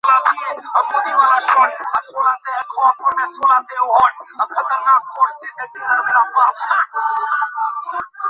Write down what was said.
ছবিতে শাহনূরের সঙ্গে আরও থাকবেন বাপ্পি চৌধুরী, নবাগত মিষ্টি, আসিফ ইকবাল প্রমুখ।